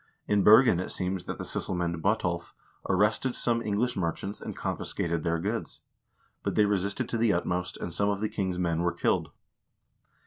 In Bergen it seems that the sysselniand, Bottolf, arrested some English merchants and confiscated their goods, but they resisted to the utmost, and some of the king's men were killed.